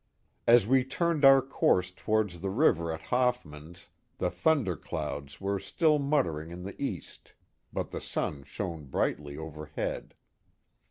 As we turned our cour^ towards the river at Hoffman's the thunder clouds were still I muttering in the east, but the sun shone brightly overhead.